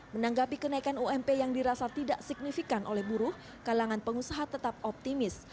menanggapi kenaikan ump yang dirasa tidak signifikan oleh buruh kalangan pengusaha tetap optimis